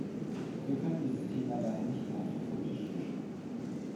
Wir können dieses Thema daher nicht einfach vom Tisch wischen.